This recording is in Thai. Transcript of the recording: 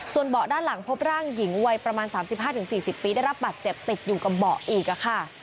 ส่วนเบาะด้านหลังพบร่างหญิงวัยประมาณ๓๕๔๐ปีได้รับบัตรเจ็บติดอยู่กับเบาะอีกค่ะ